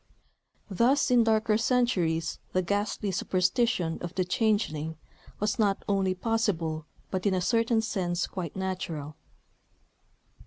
(Thus, in darker centuries, the ghastly superstition of the "changeling," was not only possible, but in a certain sense quite natural.)